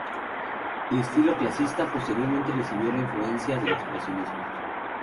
De estilo clasicista, posteriormente recibió la influencia del expresionismo.